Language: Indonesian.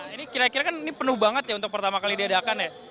ini kira kira kan ini penuh banget ya untuk pertama kali diadakan ya